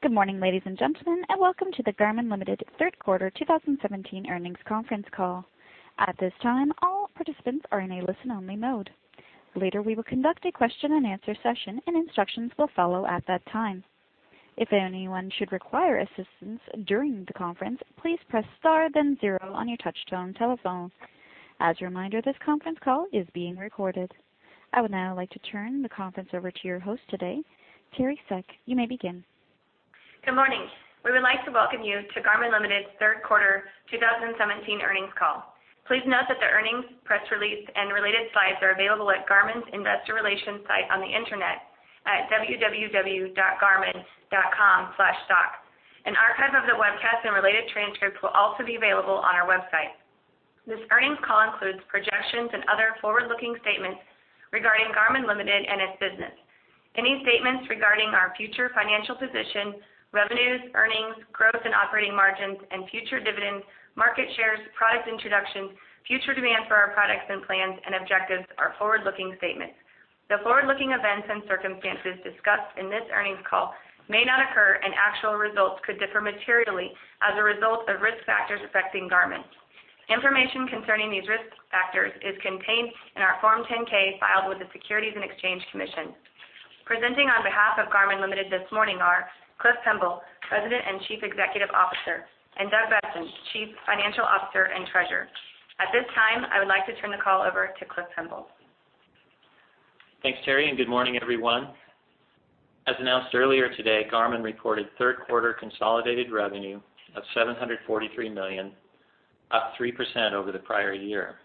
Good morning, ladies and gentlemen, and welcome to the Garmin Ltd. third quarter 2017 earnings conference call. At this time, all participants are in a listen-only mode. Later, we will conduct a question and answer session, and instructions will follow at that time. If anyone should require assistance during the conference, please press star then zero on your touchtone telephones. As a reminder, this conference call is being recorded. I would now like to turn the conference over to your host today, Teri Seck. You may begin. Good morning. We would like to welcome you to Garmin Ltd.'s third quarter 2017 earnings call. Please note that the earnings, press release, and related slides are available at garmin.com/stock. An archive of the webcast and related transcripts will also be available on our website. This earnings call includes projections and other forward-looking statements regarding Garmin Ltd. and its business. Any statements regarding our future financial position, revenues, earnings, growth and operating margins and future dividends, market shares, product introductions, future demands for our products, and plans and objectives are forward-looking statements. The forward-looking events and circumstances discussed in this earnings call may not occur, and actual results could differ materially as a result of risk factors affecting Garmin. Information concerning these risk factors is contained in our Form 10-K filed with the Securities and Exchange Commission. Presenting on behalf of Garmin Ltd. this morning are Cliff Pemble, President and Chief Executive Officer, and Doug Boessen, Chief Financial Officer and Treasurer. At this time, I would like to turn the call over to Cliff Pemble. Thanks, Teri, good morning, everyone. As announced earlier today, Garmin reported third quarter consolidated revenue of $743 million, up 3% over the prior year.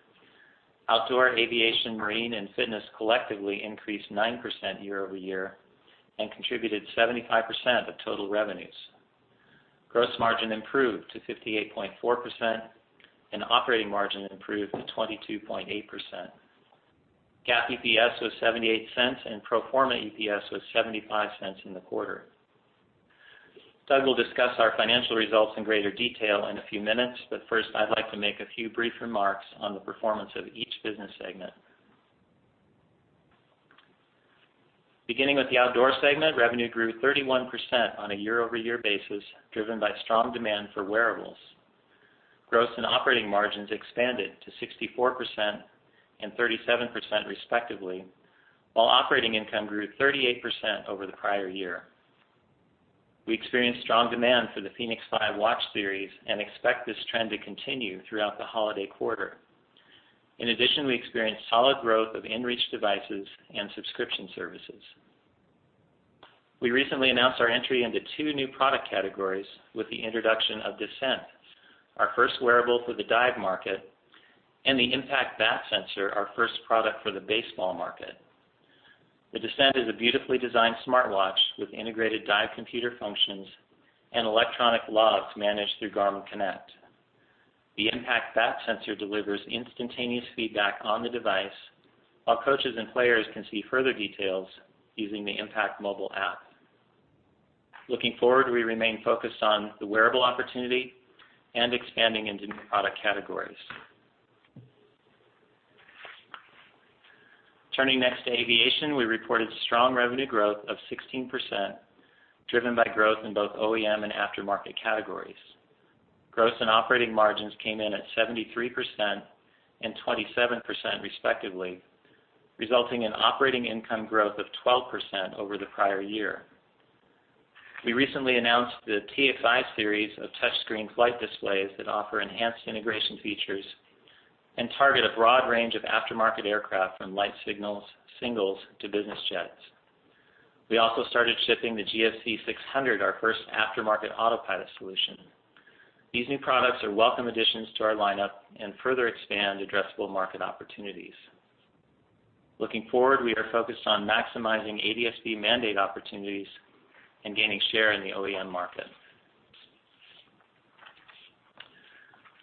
Outdoor, aviation, marine, and fitness collectively increased 9% year-over-year and contributed 75% of total revenues. Gross margin improved to 58.4%, and operating margin improved to 22.8%. GAAP EPS was $0.88, and pro forma EPS was $0.75 in the quarter. Doug will discuss our financial results in greater detail in a few minutes. First, I'd like to make a few brief remarks on the performance of each business segment. Beginning with the outdoor segment, revenue grew 31% on a year-over-year basis, driven by strong demand for wearables. Gross and operating margins expanded to 64% and 37% respectively, while operating income grew 38% over the prior year. We experienced strong demand for the fēnix 5 watch series and expect this trend to continue throughout the holiday quarter. In addition, we experienced solid growth of inReach devices and subscription services. We recently announced our entry into two new product categories with the introduction of Descent, our first wearable for the dive market, and the Impact bat sensor, our first product for the baseball market. The Descent is a beautifully designed smartwatch with integrated dive computer functions and electronic logs managed through Garmin Connect. The Impact bat sensor delivers instantaneous feedback on the device, while coaches and players can see further details using the Impact mobile app. Looking forward, we remain focused on the wearable opportunity and expanding into new product categories. Turning next to aviation, we reported strong revenue growth of 16%, driven by growth in both OEM and aftermarket categories. Gross and operating margins came in at 73% and 27% respectively, resulting in operating income growth of 12% over the prior year. We recently announced the TXi series of touchscreen flight displays that offer enhanced integration features and target a broad range of aftermarket aircraft from light singles to business jets. We also started shipping the GFC 600, our first aftermarket autopilot solution. These new products are welcome additions to our lineup and further expand addressable market opportunities. Looking forward, we are focused on maximizing ADS-B mandate opportunities and gaining share in the OEM market.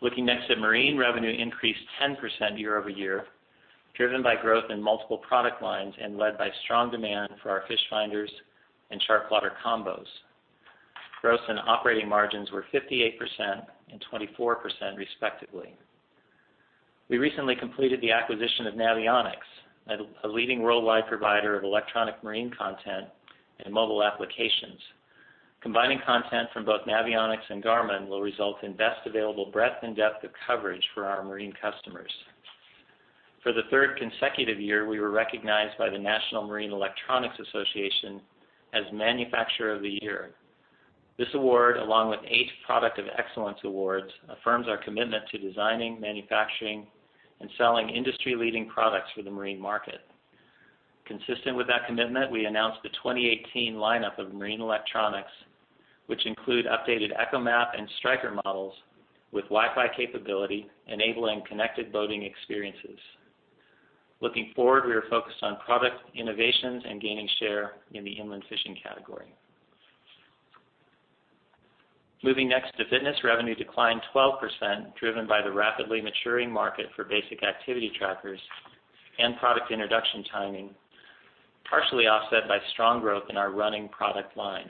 Looking next at marine, revenue increased 10% year-over-year, driven by growth in multiple product lines and led by strong demand for our fish finders and chart plotter combos. Gross and operating margins were 58% and 24%, respectively. We recently completed the acquisition of Navionics, a leading worldwide provider of electronic marine content and mobile applications. Combining content from both Navionics and Garmin will result in best available breadth and depth of coverage for our marine customers. For the third consecutive year, we were recognized by the National Marine Electronics Association as Manufacturer of the Year. This award, along with eight Product of Excellence awards, affirms our commitment to designing, manufacturing, and selling industry-leading products for the marine market. Consistent with that commitment, we announced the 2018 lineup of marine electronics, which include updated ECHOMAP and STRIKER models with Wi-Fi capability, enabling connected boating experiences. Looking forward, we are focused on product innovations and gaining share in the inland fishing category. Moving next to fitness, revenue declined 12%, driven by the rapidly maturing market for basic activity trackers and product introduction timing, partially offset by strong growth in our running product line.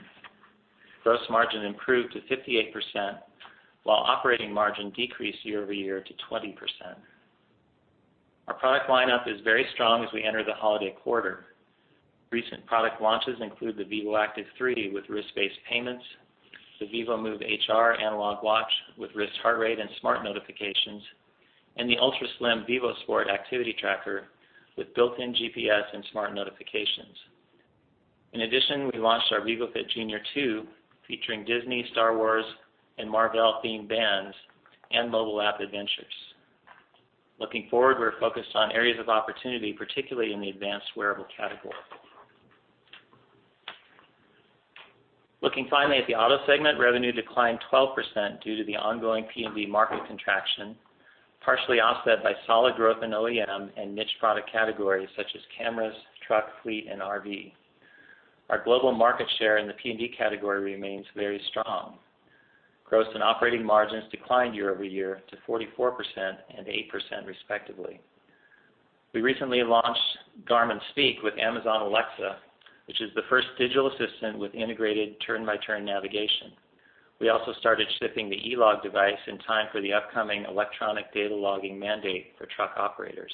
Gross margin improved to 58%, while operating margin decreased year-over-year to 20%. Our product lineup is very strong as we enter the holiday quarter. Recent product launches include the vívoactive 3 with wrist-based payments, the vívomove HR analog watch with wrist heart rate and smart notifications, and the ultra-slim vívosport activity tracker with built-in GPS and smart notifications. In addition, we launched our vívofit Jr. 2, featuring Disney, Star Wars, and Marvel-themed bands and mobile app adventures. Looking forward, we're focused on areas of opportunity, particularly in the advanced wearable category. Looking finally at the Auto segment, revenue declined 12% due to the ongoing PND market contraction, partially offset by solid growth in OEM and niche product categories such as cameras, truck, fleet, and RV. Our global market share in the PND category remains very strong. Gross and operating margins declined year-over-year to 44% and 8% respectively. We recently launched Garmin Speak with Amazon Alexa, which is the first digital assistant with integrated turn-by-turn navigation. We also started shipping the eLog device in time for the upcoming electronic data logging mandate for truck operators.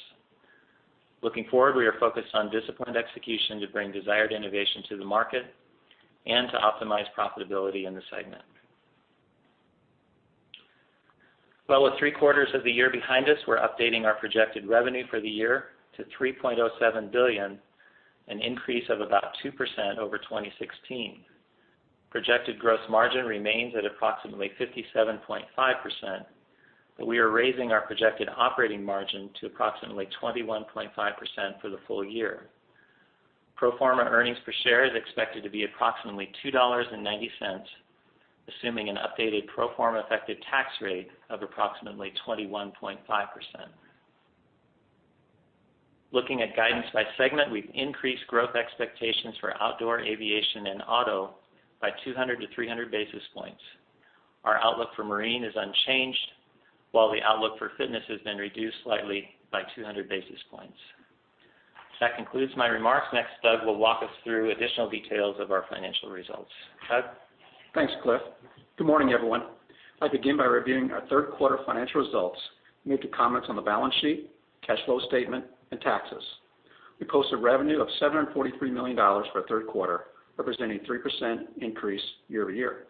Looking forward, we are focused on disciplined execution to bring desired innovation to the market and to optimize profitability in this segment. Well, with three quarters of the year behind us, we're updating our projected revenue for the year to $3.07 billion, an increase of about 2% over 2016. Projected gross margin remains at approximately 57.5%, but we are raising our projected operating margin to approximately 21.5% for the full year. Pro forma earnings per share is expected to be approximately $2.90, assuming an updated pro forma effective tax rate of approximately 21.5%. Looking at guidance by segment, we've increased growth expectations for Outdoor, Aviation, and Auto by 200 to 300 basis points. Our outlook for Marine is unchanged, while the outlook for Fitness has been reduced slightly by 200 basis points. That concludes my remarks. Next, Doug will walk us through additional details of our financial results. Doug? Thanks, Cliff. Good morning, everyone. I'll begin by reviewing our third quarter financial results, and make comments on the balance sheet, cash flow statement, and taxes. We posted revenue of $743 million for the third quarter, representing a 3% increase year-over-year.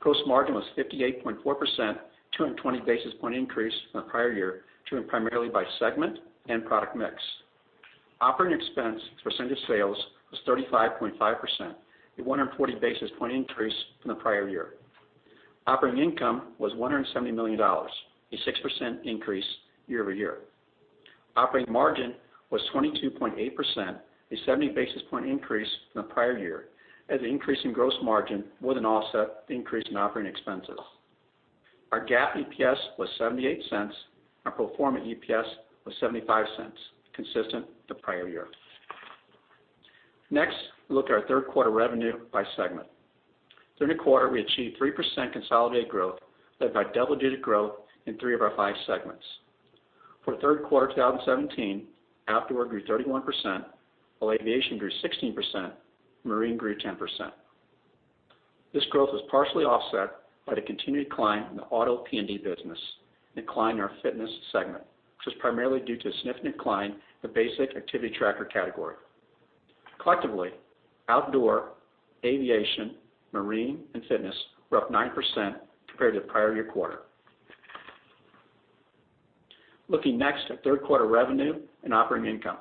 Gross margin was 58.4%, a 220 basis point increase from the prior year, driven primarily by segment and product mix. Operating expense as a percentage of sales was 35.5%, a 140 basis point increase from the prior year. Operating income was $170 million, a 6% increase year-over-year. Operating margin was 22.8%, a 70 basis point increase from the prior year, as the increase in gross margin more than offset the increase in operating expenses. Our GAAP EPS was $0.78. Our pro forma EPS was $0.75, consistent with the prior year. Next, we look at our third quarter revenue by segment. During the quarter, we achieved 3% consolidated growth, led by double-digit growth in three of our five segments. For third quarter 2017, Outdoor grew 31%, while Aviation grew 16%, and Marine grew 10%. This growth was partially offset by the continued decline in the Auto PND business, decline in our Fitness segment, which was primarily due to a significant decline in the basic activity tracker category. Collectively, Outdoor, Aviation, Marine, and Fitness were up 9% compared to the prior year quarter. Looking next at third quarter revenue and operating income.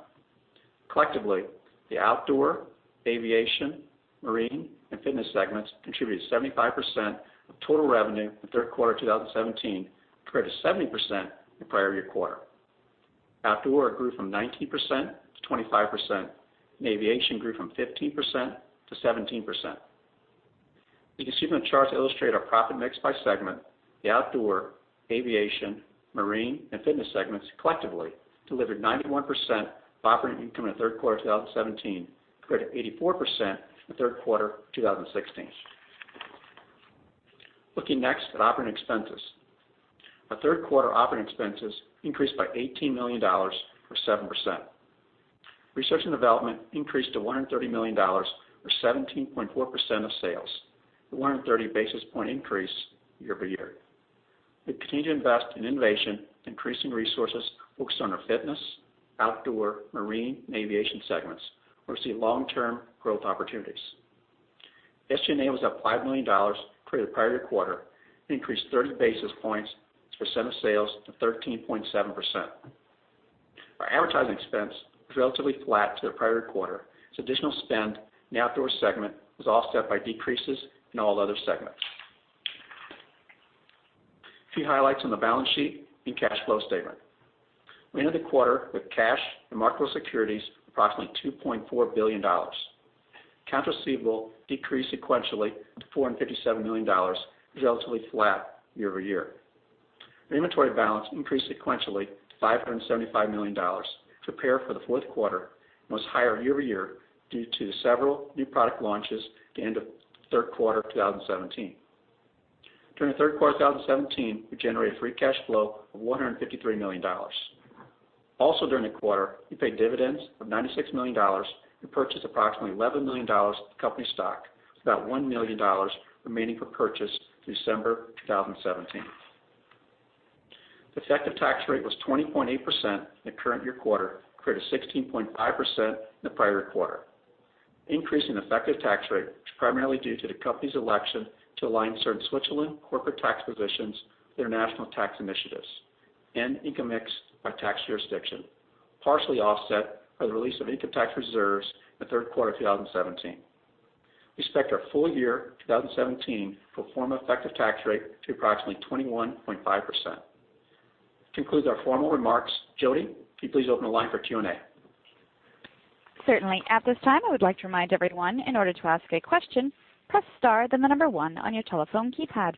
Collectively, the Outdoor, Aviation, Marine, and Fitness segments contributed 75% of total revenue in the third quarter of 2017, compared to 70% in the prior year quarter. Outdoor grew from 19% to 25%, and Aviation grew from 15% to 17%. You can see from the charts that illustrate our profit mix by segment, the outdoor, aviation, marine, and fitness segments collectively delivered 91% of operating income in the third quarter of 2017, compared to 84% in the third quarter of 2016. Looking next at operating expenses. Our third quarter operating expenses increased by $18 million, or 7%. Research and development increased to $130 million, or 17.4% of sales, a 130 basis point increase year-over-year. We continue to invest in innovation, increasing resources focused on our fitness, outdoor, marine, and aviation segments. We see long-term growth opportunities. SGA was up $5 million compared to the prior year quarter, an increase of 30 basis points as a percent of sales to 13.7%. Our advertising expense was relatively flat to the prior quarter, as additional spend in the outdoor segment was offset by decreases in all other segments. A few highlights on the balance sheet and cash flow statement. We ended the quarter with cash and marketable securities of approximately $2.4 billion. Accounts receivable decreased sequentially to $457 million. It was relatively flat year-over-year. Our inventory balance increased sequentially to $575 million to prepare for the fourth quarter, and was higher year-over-year due to several new product launches at the end of third quarter 2017. During the third quarter of 2017, we generated free cash flow of $153 million. Also during the quarter, we paid dividends of $96 million and purchased approximately $11 million of company stock, with about $1 million remaining for purchase through December 2017. The effective tax rate was 20.8% in the current year quarter compared to 16.5% in the prior quarter. Increase in effective tax rate was primarily due to the company's election to align certain Switzerland corporate tax positions with international tax initiatives and income mix by tax jurisdiction, partially offset by the release of income tax reserves in the third quarter of 2017. We expect our full year 2017 to perform effective tax rate to approximately 21.5%. This concludes our formal remarks. Jody, can you please open the line for Q&A? Certainly. At this time, I would like to remind everyone, in order to ask a question, press star then the number 1 on your telephone keypad.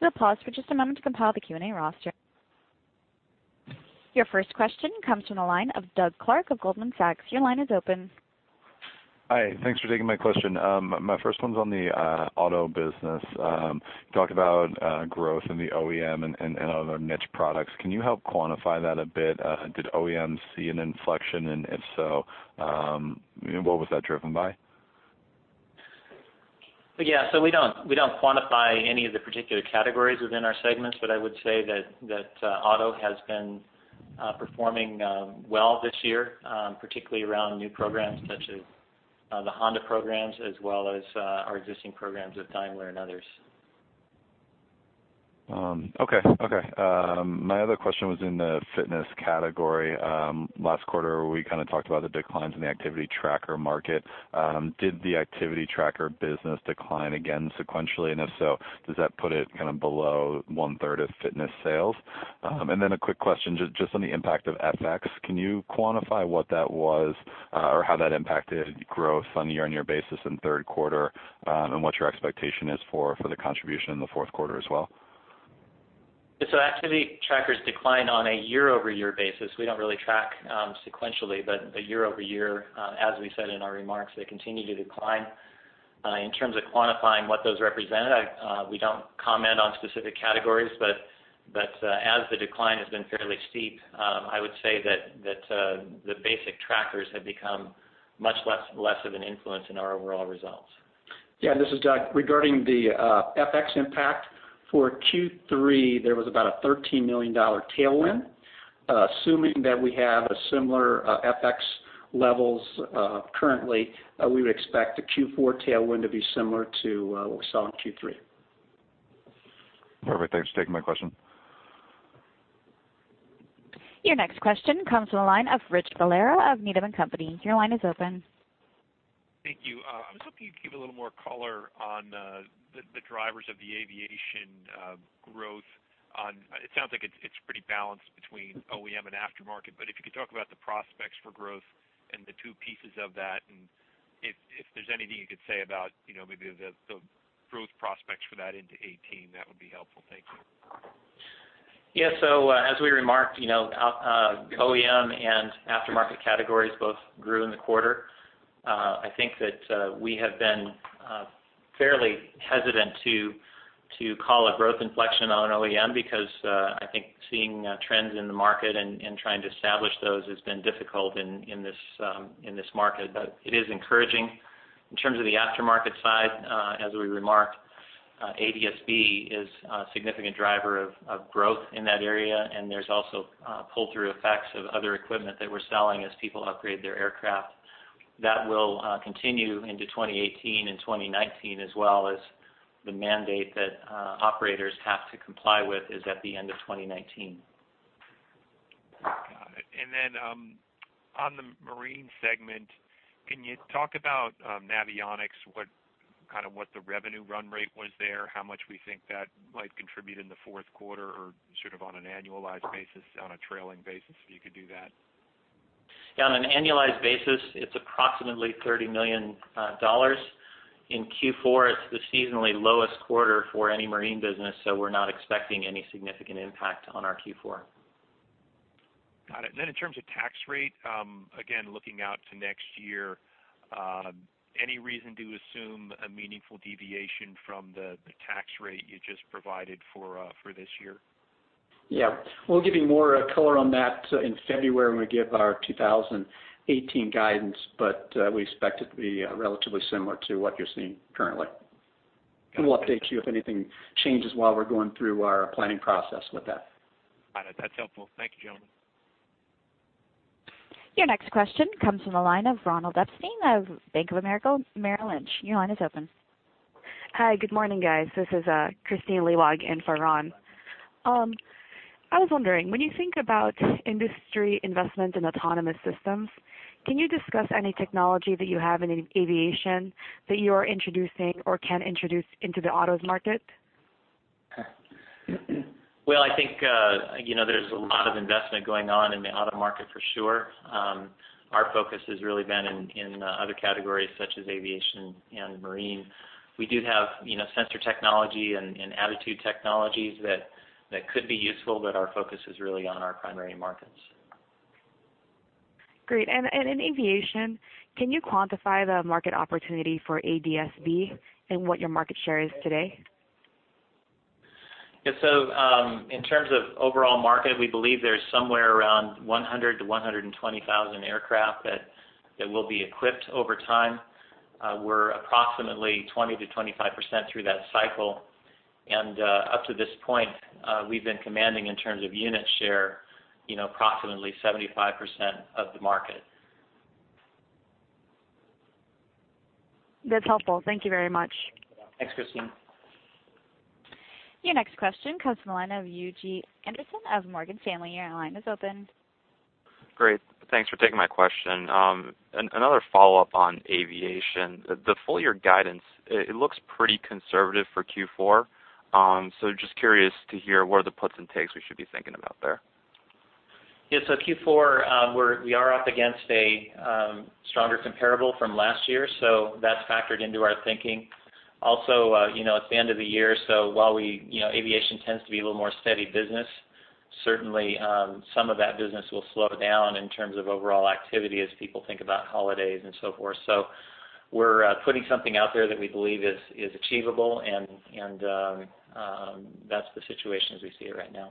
We'll pause for just a moment to compile the Q&A roster. Your first question comes from the line of Doug Clark of Goldman Sachs. Your line is open. Hi. Thanks for taking my question. My first one's on the auto business. You talked about growth in the OEM and other niche products. Can you help quantify that a bit? Did OEMs see an inflection, and if so, what was that driven by? Yeah. We don't quantify any of the particular categories within our segments. I would say that auto has been performing well this year, particularly around new programs such as the Honda programs, as well as our existing programs with Daimler and others. Okay. My other question was in the fitness category. Last quarter, we kind of talked about the declines in the activity tracker market. Did the activity tracker business decline again sequentially? If so, does that put it kind of below one-third of fitness sales? A quick question just on the impact of FX. Can you quantify what that was or how that impacted growth on a year-on-year basis in the third quarter, and what your expectation is for the contribution in the fourth quarter as well? Activity trackers decline on a year-over-year basis. We don't really track sequentially, but year-over-year, as we said in our remarks, they continue to decline. In terms of quantifying what those represented, we don't comment on specific categories, but as the decline has been fairly steep, I would say that the basic trackers have become much less of an influence in our overall results. Yeah, this is Doug. Regarding the FX impact for Q3, there was about a $13 million tailwind. Assuming that we have similar FX levels currently, we would expect the Q4 tailwind to be similar to what we saw in Q3. Perfect. Thanks for taking my question. Your next question comes from the line of Richard Valera of Needham & Company. Your line is open. Thank you. I was hoping you'd give a little more color on the drivers of the aviation growth. It sounds like it's pretty balanced between OEM and aftermarket, but if you could talk about the prospects for growth and the two pieces of that, and if there's anything you could say about maybe the growth prospects for that into 2018, that would be helpful. Thank you. As we remarked, OEM and aftermarket categories both grew in the quarter. I think that we have been fairly hesitant to call a growth inflection on OEM because I think seeing trends in the market and trying to establish those has been difficult in this market. It is encouraging. In terms of the aftermarket side, as we remarked, ADS-B is a significant driver of growth in that area, and there's also pull-through effects of other equipment that we're selling as people upgrade their aircraft. That will continue into 2018 and 2019, as well as the mandate that operators have to comply with is at the end of 2019. Got it. Then on the marine segment, can you talk about Navionics, kind of what the revenue run rate was there, how much we think that might contribute in the fourth quarter or sort of on an annualized basis, on a trailing basis, if you could do that? On an annualized basis, it's approximately $30 million. In Q4, it's the seasonally lowest quarter for any marine business, we're not expecting any significant impact on our Q4. Got it. In terms of tax rate, again, looking out to next year, any reason to assume a meaningful deviation from the tax rate you just provided for this year? We'll give you more color on that in February when we give our 2018 guidance, but we expect it to be relatively similar to what you're seeing currently. We'll update you if anything changes while we're going through our planning process with that. Got it. That's helpful. Thank you, gentlemen. Your next question comes from the line of Ronald Epstein of Bank of America Merrill Lynch. Your line is open. Hi. Good morning, guys. This is Christine Lewag in for Ron. I was wondering, when you think about industry investment in autonomous systems, can you discuss any technology that you have in aviation that you are introducing or can introduce into the autos market? I think there's a lot of investment going on in the auto market for sure. Our focus has really been in other categories, such as aviation and marine. We do have sensor technology and attitude technologies that could be useful, but our focus is really on our primary markets. Great. In aviation, can you quantify the market opportunity for ADS-B and what your market share is today? In terms of overall market, we believe there's somewhere around 100,000 to 120,000 aircraft that will be equipped over time. We're approximately 20%-25% through that cycle. Up to this point, we've been commanding, in terms of unit share, approximately 75% of the market. That's helpful. Thank you very much. Thanks, Christine. Your next question comes from the line of Eugene Anderson of Morgan Stanley. Your line is open. Great. Thanks for taking my question. Another follow-up on aviation. The full-year guidance, it looks pretty conservative for Q4. Just curious to hear where the puts and takes we should be thinking about there. Yeah. Q4, we are up against a stronger comparable from last year, so that's factored into our thinking. Also, it's the end of the year, so while aviation tends to be a little more steady business, certainly some of that business will slow down in terms of overall activity as people think about holidays and so forth. We're putting something out there that we believe is achievable, and that's the situation as we see it right now.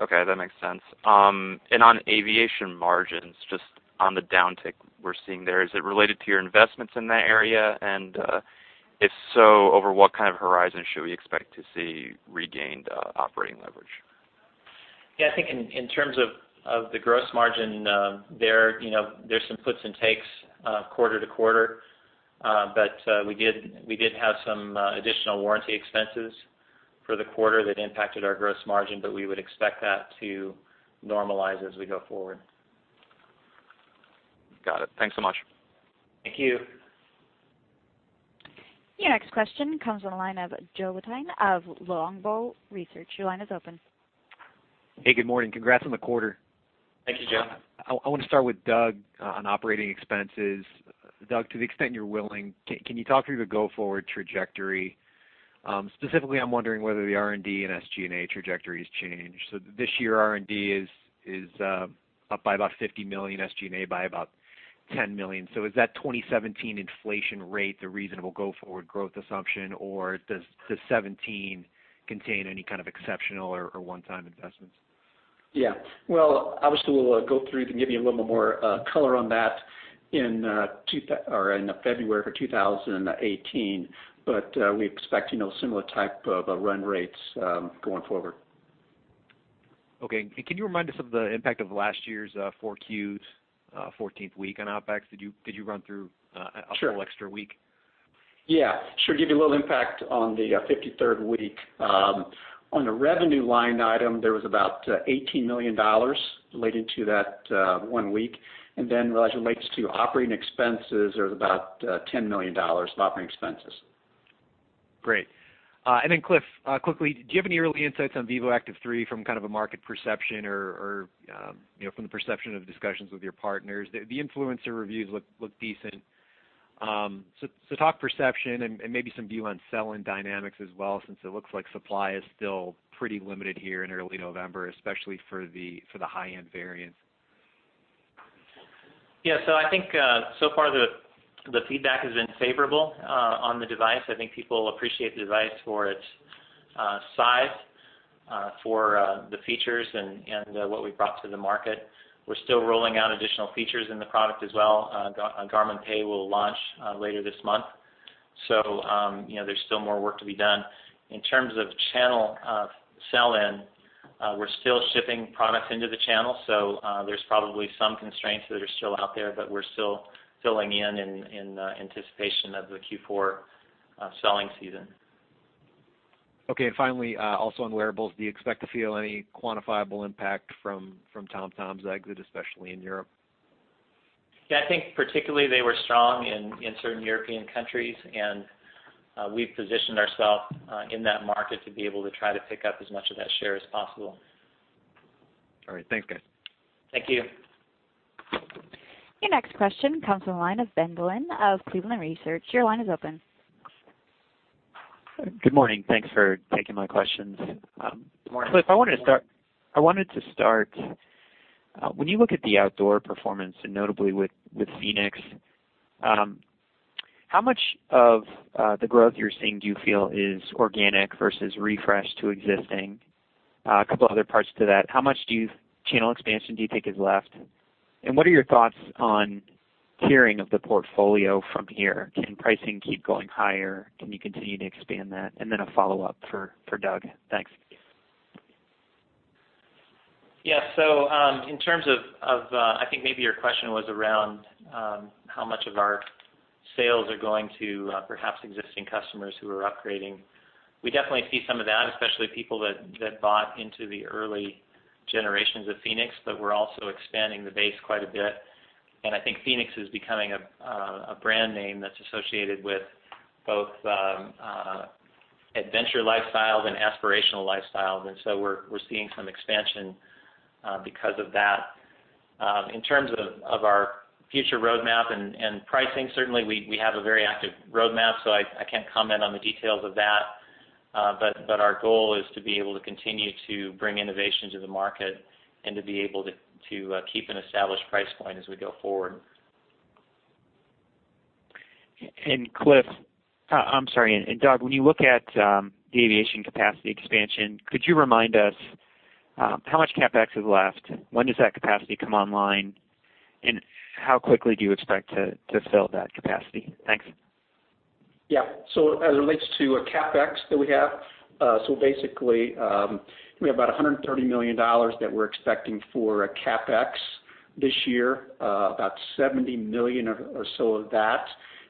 That makes sense. On aviation margins, just on the downtick we're seeing there, is it related to your investments in that area? If so, over what kind of horizon should we expect to see regained operating leverage? Yeah, I think in terms of the gross margin, there's some puts and takes quarter to quarter. We did have some additional warranty expenses for the quarter that impacted our gross margin, but we would expect that to normalize as we go forward. Got it. Thanks so much. Thank you. Your next question comes on the line of Joe Vitale of Longbow Research. Your line is open. Hey, good morning. Congrats on the quarter. Thank you, Joe. I want to start with Doug on operating expenses. Doug, to the extent you're willing, can you talk through the go-forward trajectory? Specifically, I'm wondering whether the R&D and SG&A trajectories change. This year, R&D is up by about $50 million, SG&A by about $10 million. Is that 2017 inflation rate the reasonable go-forward growth assumption, or does the 2017 contain any kind of exceptional or one-time investments? Yeah. Well, obviously, we'll go through to give you a little bit more color on that in February for 2018. We expect similar type of run rates going forward. Okay. Can you remind us of the impact of last year's 4 Q's 14th week on OpEx? Did you run through a full extra week? Sure full extra week? Yeah. Sure. Give you a little impact on the 53rd week. On the revenue line item, there was about $18 million related to that one week. As it relates to operating expenses, there's about $10 million of operating expenses. Cliff, quickly, do you have any early insights on vívoactive 3 from kind of a market perception or from the perception of discussions with your partners? The influencer reviews look decent. Talk perception and maybe some view on sell-in dynamics as well, since it looks like supply is still pretty limited here in early November, especially for the high-end variants. Yeah. I think so far the feedback has been favorable on the device. I think people appreciate the device for its size, for the features, and what we've brought to the market. We're still rolling out additional features in the product as well. Garmin Pay will launch later this month, there's still more work to be done. In terms of channel sell-in, we're still shipping product into the channel, there's probably some constraints that are still out there, we're still filling in in anticipation of the Q4 selling season. Okay. Finally, also on wearables, do you expect to feel any quantifiable impact from TomTom's exit, especially in Europe? Yeah, I think particularly they were strong in certain European countries, we've positioned ourself in that market to be able to try to pick up as much of that share as possible. All right. Thanks, guys. Thank you. Your next question comes from the line of Ben Bollin of Cleveland Research. Your line is open. Good morning. Thanks for taking my questions. Good morning. Cliff, I wanted to start, when you look at the outdoor performance, notably with fēnix, how much of the growth you're seeing do you feel is organic versus refresh to existing? A couple other parts to that, how much channel expansion do you think is left, what are your thoughts on tiering of the portfolio from here? Can pricing keep going higher? Can you continue to expand that? Then a follow-up for Doug. Thanks. Yeah. In terms of I think maybe your question was around how much of our sales are going to perhaps existing customers who are upgrading. We definitely see some of that, especially people that bought into the early generations of fēnix, We're also expanding the base quite a bit, I think fēnix is becoming a brand name that's associated with both adventure lifestyles and aspirational lifestyles, We're seeing some expansion because of that. In terms of our future roadmap and pricing, certainly, we have a very active roadmap, so I can't comment on the details of that. Our goal is to be able to continue to bring innovation to the market and to be able to keep an established price point as we go forward. Cliff, I'm sorry. Doug, when you look at the aviation capacity expansion, could you remind us How much CapEx is left? When does that capacity come online, and how quickly do you expect to fill that capacity? Thanks. Yeah. As it relates to CapEx that we have, basically, we have about $130 million that we're expecting for CapEx this year. About $70 million or so of that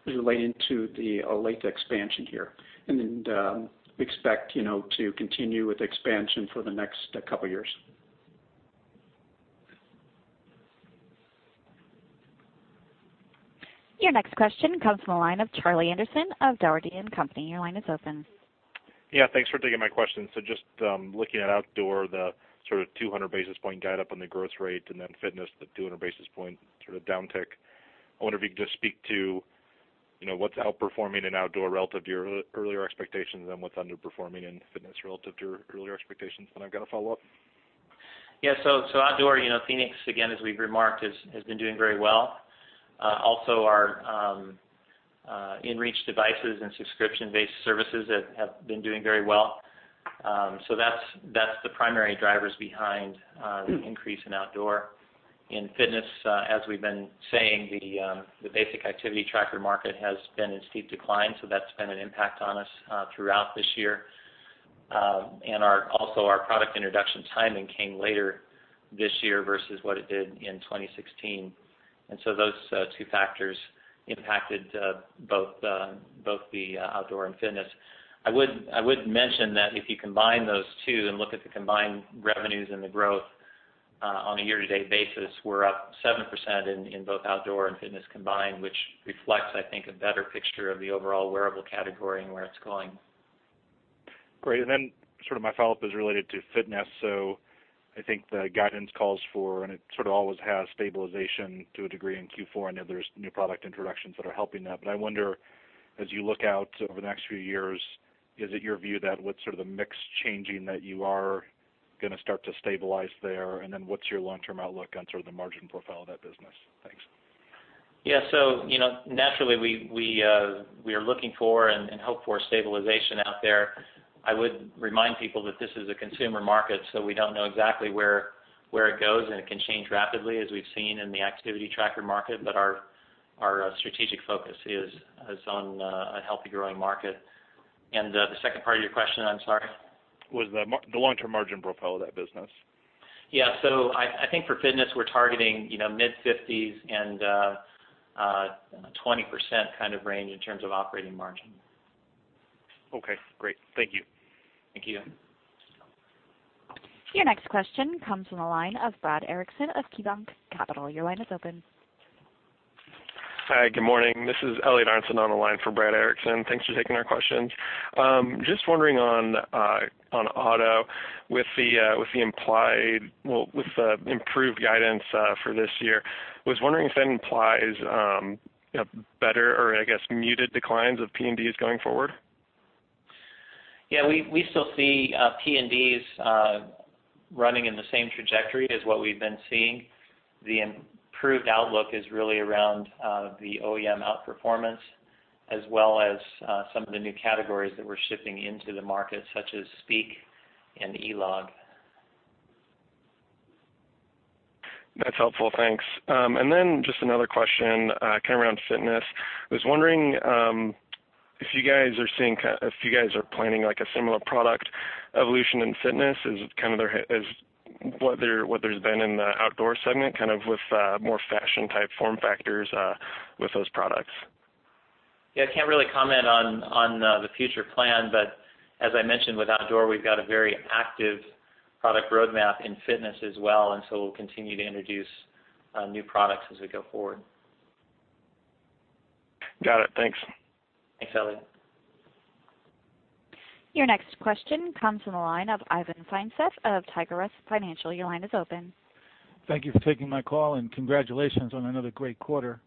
is relating to the Olathe expansion here. We expect to continue with expansion for the next couple years. Your next question comes from the line of Charlie Anderson of Dougherty & Company. Your line is open. Yeah, thanks for taking my question. Just looking at outdoor, the sort of 200 basis point guide up on the gross rate, fitness, the 200 basis point sort of downtick. I wonder if you could just speak to what's outperforming in outdoor relative to your earlier expectations and what's underperforming in fitness relative to your earlier expectations, I've got a follow-up. Yeah. Outdoor, fēnix, again, as we've remarked, has been doing very well. Also, our inReach devices and subscription-based services have been doing very well. That's the primary drivers behind the increase in outdoor. In fitness, as we've been saying, the basic activity tracker market has been in steep decline, so that's been an impact on us throughout this year. Also, our product introduction timing came later this year versus what it did in 2016. Those two factors impacted both the outdoor and fitness. I would mention that if you combine those two and look at the combined revenues and the growth, on a year-to-date basis, we're up 7% in both outdoor and fitness combined, which reflects, I think, a better picture of the overall wearable category and where it's going. Great. Sort of my follow-up is related to fitness. I think the guidance calls for, and it sort of always has, stabilization to a degree in Q4, and I know there's new product introductions that are helping that. I wonder, as you look out over the next few years, is it your view that with sort of the mix changing, that you are going to start to stabilize there? What's your long-term outlook on sort of the margin profile of that business? Thanks. Yeah. Naturally, we are looking for and hope for stabilization out there. I would remind people that this is a consumer market, so we don't know exactly where it goes, and it can change rapidly, as we've seen in the activity tracker market. Our strategic focus is on a healthy growing market. The second part of your question, I'm sorry? Was the long-term margin profile of that business. Yeah. I think for fitness, we're targeting mid-50s and a 20% kind of range in terms of operating margin. Okay, great. Thank you. Thank you. Your next question comes from the line of Brad Erickson of KeyBanc Capital. Your line is open. Hi, good morning. This is Elliot Aronson on the line for Brad Erickson. Thanks for taking our questions. Just wondering on auto, with the improved guidance for this year. Was wondering if that implies better, or I guess muted declines of PNDs going forward? Yeah, we still see PNDs running in the same trajectory as what we've been seeing. The improved outlook is really around the OEM outperformance, as well as some of the new categories that we're shipping into the market, such as Speak and eLog. That's helpful. Thanks. Then just another question, kind of around fitness. I was wondering if you guys are planning a similar product evolution in fitness as what there's been in the outdoor segment, kind of with more fashion type form factors with those products. Yeah, I can't really comment on the future plan, as I mentioned with outdoor, we've got a very active product roadmap in fitness as well, we'll continue to introduce new products as we go forward. Got it. Thanks. Thanks, Elliot. Your next question comes from the line of Ivan Feinseth of Tigress Financial. Your line is open. Thank you for taking my call. Congratulations on another great quarter.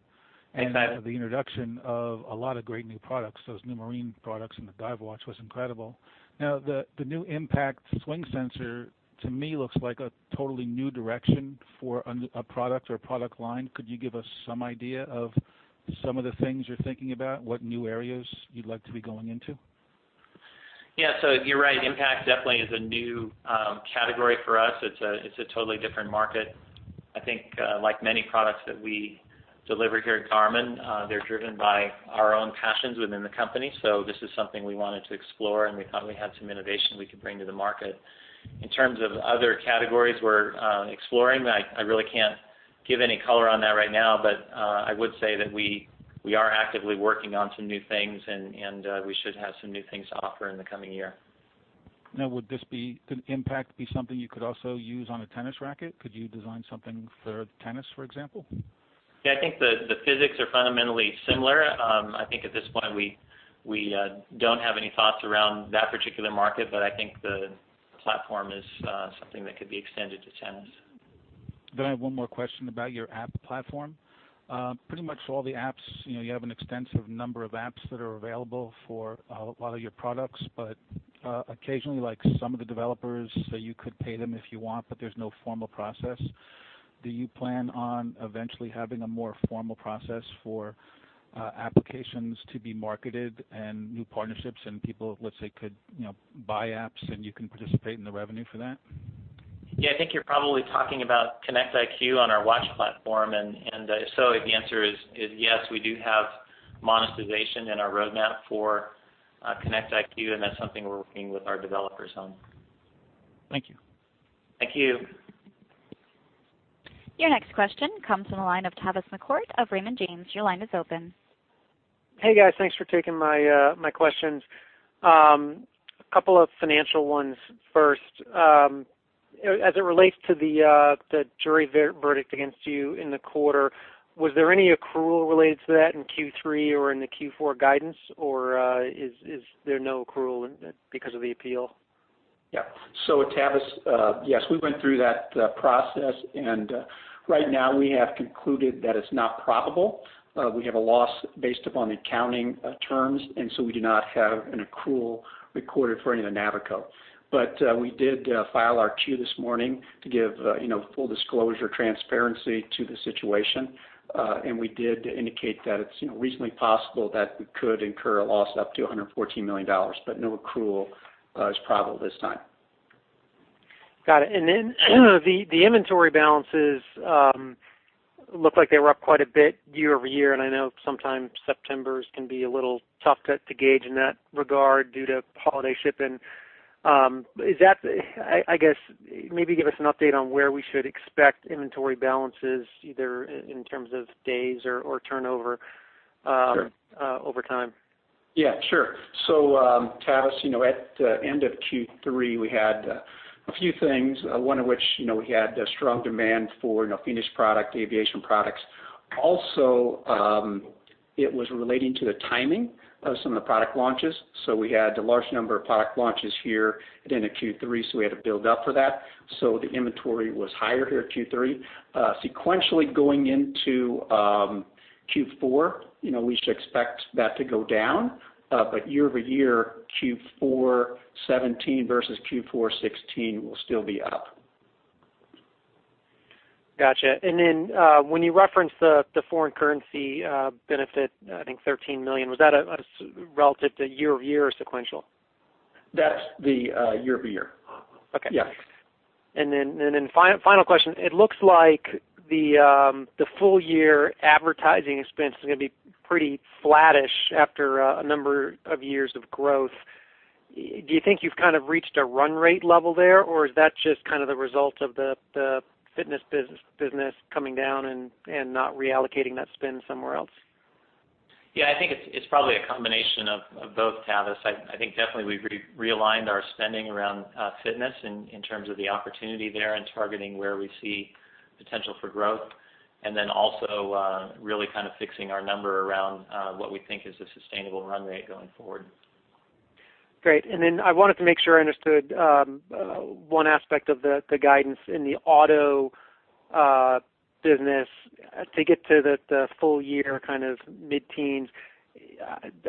Thanks, Ivan. The introduction of a lot of great new products, those new marine products and the dive watch was incredible. The new Impact swing sensor to me looks like a totally new direction for a product or a product line. Could you give us some idea of some of the things you're thinking about, what new areas you'd like to be going into? You're right. Impact definitely is a new category for us. It's a totally different market. I think like many products that we deliver here at Garmin, they're driven by our own passions within the company. This is something we wanted to explore, and we thought we had some innovation we could bring to the market. In terms of other categories we're exploring, I really can't give any color on that right now, but I would say that we are actively working on some new things, and we should have some new things to offer in the coming year. Could Impact be something you could also use on a tennis racket? Could you design something for tennis, for example? Yeah, I think the physics are fundamentally similar. I think at this point, we don't have any thoughts around that particular market, but I think the platform is something that could be extended to tennis. I have one more question about your app platform. Pretty much all the apps, you have an extensive number of apps that are available for a lot of your products, but occasionally, like some of the developers, you could pay them if you want, but there's no formal process. Do you plan on eventually having a more formal process for applications to be marketed and new partnerships and people, let's say, could buy apps and you can participate in the revenue for that? Yeah, I think you're probably talking about Connect IQ on our watch platform, and if so, the answer is yes, we do have monetization in our roadmap for Connect IQ, and that's something we're working with our developers on. Thank you. Thank you. Your next question comes from the line of Tavis McCourt of Raymond James. Your line is open. Hey, guys. Thanks for taking my questions. A couple of financial ones first. As it relates to the jury verdict against you in the quarter, was there any accrual related to that in Q3 or in the Q4 guidance, or is there no accrual because of the appeal? Yeah. Tavis, yes, we went through that process, right now, we have concluded that it is not probable. We have a loss based upon accounting terms, we do not have an accrual recorded for any of the Navico. We did file our Q this morning to give full disclosure transparency to the situation. We did indicate that it is reasonably possible that we could incur a loss up to $114 million, but no accrual is probable at this time. Got it. The inventory balances look like they were up quite a bit year-over-year, I know sometimes Septembers can be a little tough to gauge in that regard due to holiday shipping. I guess, maybe give us an update on where we should expect inventory balances, either in terms of days or turnover over time. Yeah, sure. Tavis, at the end of Q3, we had a few things, one of which we had a strong demand for finished product, the aviation products. Also, it was relating to the timing of some of the product launches. We had a large number of product launches here at the end of Q3, we had to build up for that. The inventory was higher here at Q3. Sequentially going into Q4, we should expect that to go down. Year-over-year, Q4 '17 versus Q4 '16 will still be up. Got you. When you referenced the foreign currency benefit, I think $13 million, was that relative to year-over-year or sequential? That's the year-over-year. Okay. Yeah. Final question. It looks like the full-year advertising expense is going to be pretty flattish after a number of years of growth. Do you think you've kind of reached a run rate level there, or is that just the result of the fitness business coming down and not reallocating that spend somewhere else? I think it's probably a combination of both, Tavis. I think definitely we've realigned our spending around fitness in terms of the opportunity there and targeting where we see potential for growth. Also, really kind of fixing our number around what we think is a sustainable run rate going forward. Great. I wanted to make sure I understood one aspect of the guidance in the auto business to get to the full-year kind of mid-teens.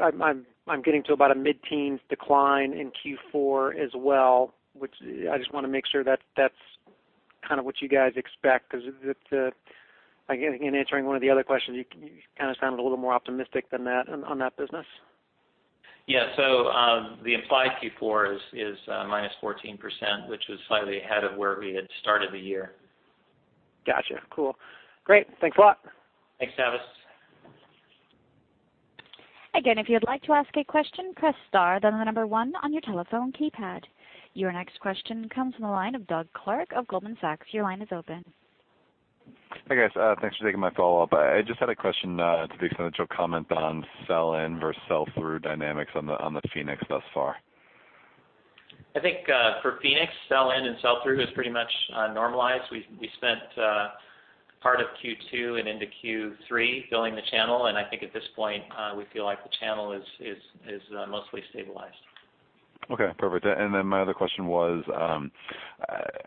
I'm getting to about a mid-teens decline in Q4 as well, which I just want to make sure that's kind of what you guys expect, because I think in answering one of the other questions, you kind of sounded a little more optimistic than that on that business. Yeah. The implied Q4 is minus 14%, which was slightly ahead of where we had started the year. Got you. Cool. Great. Thanks a lot. Thanks, Tavis. Again, if you would like to ask a question, press star, then the number one on your telephone keypad. Your next question comes from the line of Doug Clark of Goldman Sachs. Your line is open. Hi, guys. Thanks for taking my follow-up. I just had a question to the extent that you'll comment on sell-in versus sell-through dynamics on the fēnix thus far. I think for fēnix, sell-in and sell-through is pretty much normalized. I think at this point, we feel like the channel is mostly stabilized. Okay. Perfect. My other question was,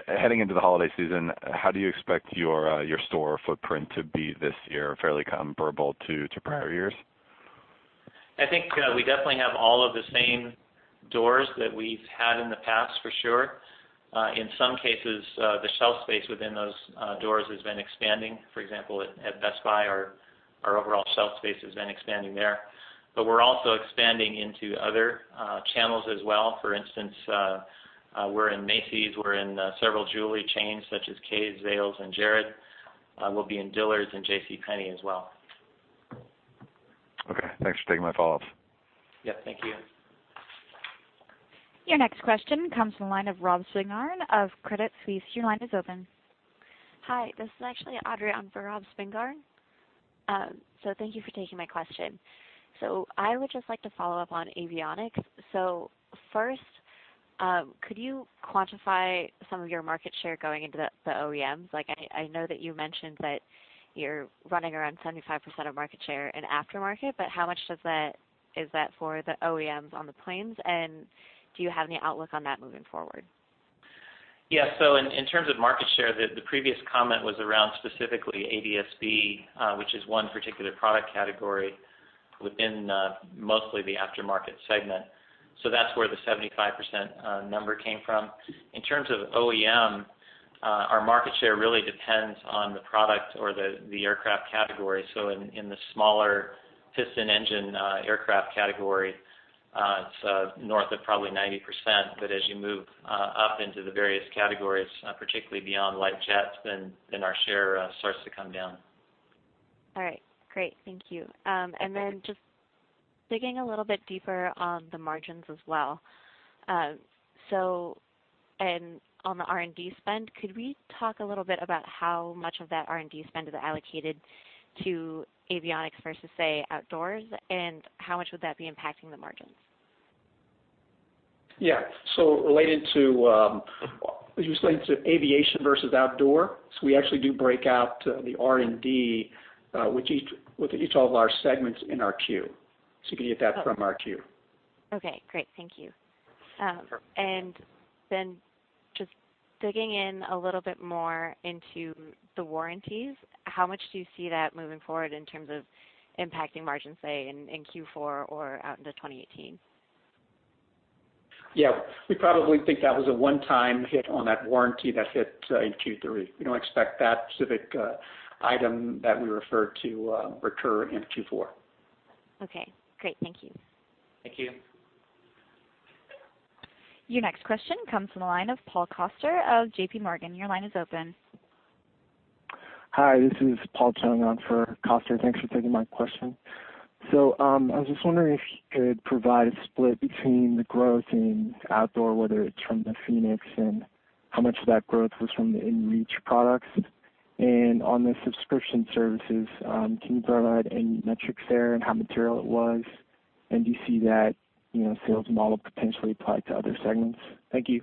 heading into the holiday season, how do you expect your store footprint to be this year, fairly comparable to prior years? I think we definitely have all of the same doors that we've had in the past, for sure. In some cases, the shelf space within those doors has been expanding. For example, at Best Buy, our overall shelf space has been expanding there. We're also expanding into other channels as well. For instance, we're in Macy's, we're in several jewelry chains such as Kay, Zales, and Jared. We'll be in Dillard's and JCPenney as well. Okay. Thanks for taking my follow-ups. Yeah. Thank you. Your next question comes from the line of Robert Spingarn of Credit Suisse. Your line is open. Hi. This is actually Adrienne for Rob Spingarn. Thank you for taking my question. I would just like to follow up on avionics. First, could you quantify some of your market share going into the OEMs? I know that you mentioned that you're running around 75% of market share in aftermarket, but how much is that for the OEMs on the planes, and do you have any outlook on that moving forward? Yeah. In terms of market share, the previous comment was around specifically ADS-B, which is one particular product category. Within mostly the aftermarket segment. That's where the 75% number came from. In terms of OEM, our market share really depends on the product or the aircraft category. In the smaller piston engine aircraft category, it's north of probably 90%, but as you move up into the various categories, particularly beyond light jets, our share starts to come down. All right, great. Thank you. Just digging a little bit deeper on the margins as well. On the R&D spend, could we talk a little bit about how much of that R&D spend is allocated to avionics versus, say, outdoors? How much would that be impacting the margins? Yeah. Related to aviation versus outdoor, we actually do break out the R&D with each of our segments in our Q. You can get that from our Q. Okay, great. Thank you. Sure. Just digging in a little bit more into the warranties, how much do you see that moving forward in terms of impacting margins, say, in Q4 or out into 2018? Yeah, we probably think that was a one-time hit on that warranty that hit in Q3. We don't expect that specific item that we referred to recur in Q4. Okay, great. Thank you. Thank you. Your next question comes from the line of Paul Coster of JPMorgan. Your line is open. Hi, this is Paul Chung on for Coster. Thanks for taking my question. I was just wondering if you could provide a split between the growth in outdoor, whether it's from the fēnix, and how much of that growth was from the inReach products. On the subscription services, can you provide any metrics there and how material it was? Do you see that sales model potentially applied to other segments? Thank you.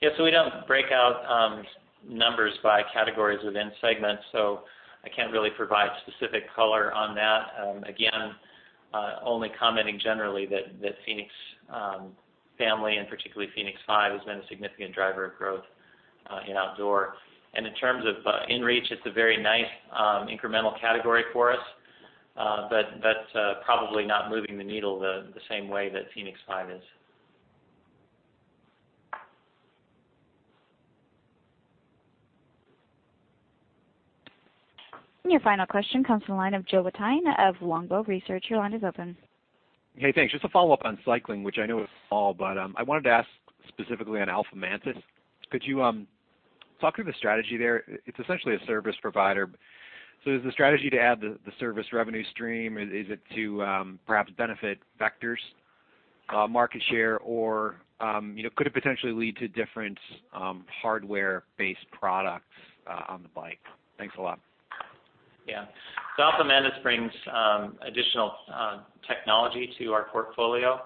Yeah, so we don't break out numbers by categories within segments, so I can't really provide specific color on that. Again, only commenting generally that fēnix family, and particularly fēnix 5, has been a significant driver of growth in outdoor. In terms of inReach, it's a very nice incremental category for us. Probably not moving the needle the same way that fēnix 5 is. Your final question comes from the line of Joe Vitale of Longbow Research. Your line is open. Hey, thanks. Just a follow-up on cycling, which I know is small, but I wanted to ask specifically on Alphamantis. Could you talk through the strategy there? It's essentially a service provider. Is the strategy to add the service revenue stream? Is it to perhaps benefit Vector market share, or could it potentially lead to different hardware-based products on the bike? Thanks a lot. Yeah. Alpha Mantis brings additional technology to our portfolio,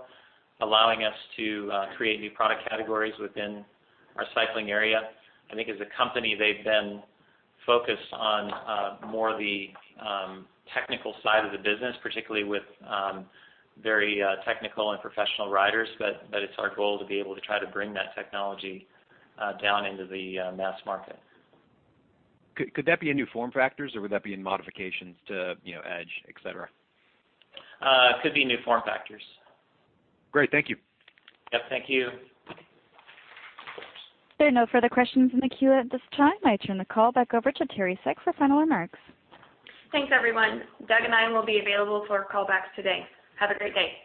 allowing us to create new product categories within our cycling area. I think as a company, they've been focused on more the technical side of the business, particularly with very technical and professional riders. It's our goal to be able to try to bring that technology down into the mass market. Could that be in new form factors, or would that be in modifications to Edge, et cetera? Could be new form factors. Great. Thank you. Yep, thank you. There are no further questions in the queue at this time. I turn the call back over to Teri Seck for final remarks. Thanks, everyone. Doug and I will be available for callbacks today. Have a great day.